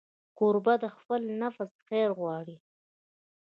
کوربه د خپل نفس خیر غواړي.